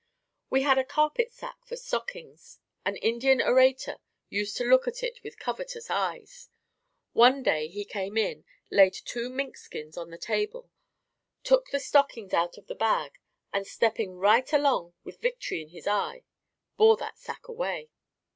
We had a carpet sack for stockings. An Indian orator used to look at it with covetous eyes. One day he came in, laid two mink skins on the table, took the stockings out of the bag and stepping right along with victory in his eye, bore that sack away.